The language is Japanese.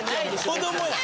子供や。